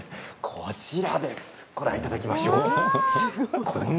こちらです、ご覧いただきましょう。